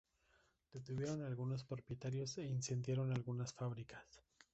Detuvieron a algunos propietarios e incendiaron algunas fábricas.